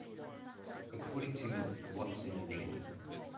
According to What's in a Name?